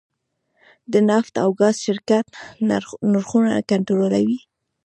د نفت او ګاز شرکت نرخونه کنټرولوي؟